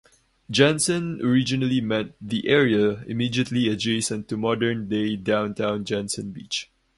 "Jensen" originally meant the area immediately adjacent to modern-day downtown Jensen Beach.